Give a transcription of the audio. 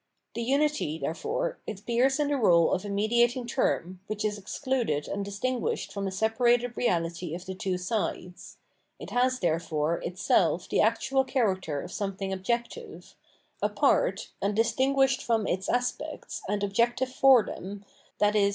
The unity, therefore, appears in the rdle of a mediating term, which is excluded and distinguished from the separated reahty of the two sides ; it has, therefore, itself the actual character of something objective, apart, and distinguished from its aspects, and objective for them, i.e.